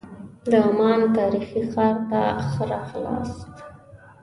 د عمان تاریخي ښار ته ښه راغلاست.